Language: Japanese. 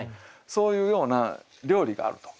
そういうような料理があると。